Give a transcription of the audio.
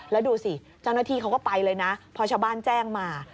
แล้วดูสิเจ้าหน้าที่เขาก็ไปเลยนะพอชาวบ้านแจ้งมา